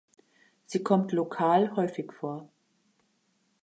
Sie kommt lokal häufig vor.